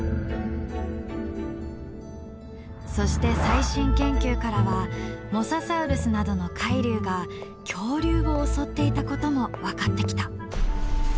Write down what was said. そして最新研究からはモササウルスなどの海竜が恐竜を襲っていたことも分かってきた。